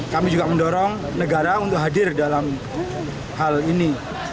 kami juga mendorong negara untuk hadir dalam hal ini